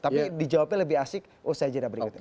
tapi dijawabnya lebih asik usai jadwal berikutnya